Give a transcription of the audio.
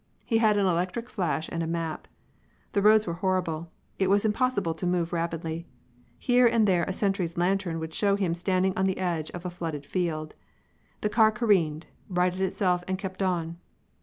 He had an electric flash and a map. The roads were horrible; it was impossible to move rapidly. Here and there a sentry's lantern would show him standing on the edge of a flooded field. The car careened, righted itself and kept on.